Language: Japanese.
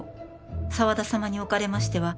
「沢田様におかれましては」